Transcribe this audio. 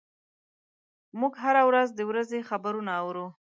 موږ هره ورځ د ورځې خبرونه اورو.